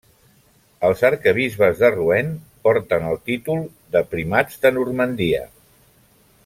Els arquebisbes de Rouen porten el títol de primats de Normandia.